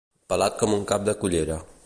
Pelat com un cap de cullera.